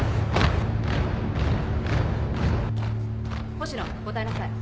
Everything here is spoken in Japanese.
星野答えなさい。